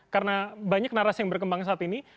karena banyak narasi yang berkembang saat ini